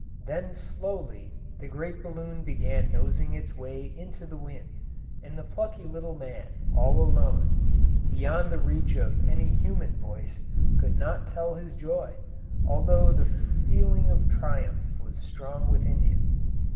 Then slowly the great balloon began nosing its way into the wind, and the plucky little man, all alone, beyond the reach of any human voice, could not tell his joy, although the feeling of triumph was strong within him.